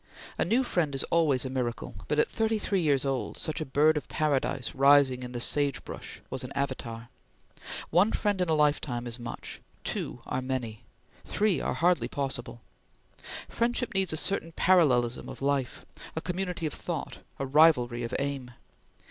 A new friend is always a miracle, but at thirty three years old, such a bird of paradise rising in the sage brush was an avatar. One friend in a lifetime is much; two are many; three are hardly possible. Friendship needs a certain parallelism of life, a community of thought, a rivalry of aim.